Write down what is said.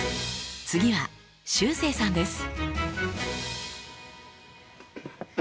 次はしゅうせいさんです。